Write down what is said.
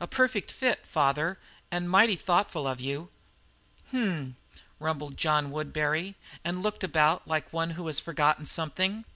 "A perfect fit, father, and mighty thoughtful of you." "H m," rumbled John Woodbury, and looked about like one who has forgotten something.